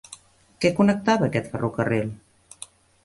Què connectava aquest ferrocarril?